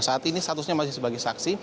saat ini statusnya masih sebagai saksi